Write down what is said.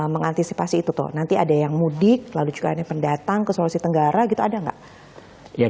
mengantisipasi itu tuh nanti ada yang mudik lalu juga ada pendatang ke sulawesi tenggara gitu ada nggak